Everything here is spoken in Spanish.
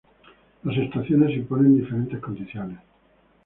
Las estaciones imponen diferentes condiciones.